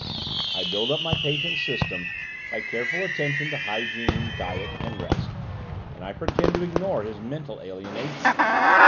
"I build up my patient's system by careful attention to hygiene, diet, and rest, and I pretend to ignore his mental alienation.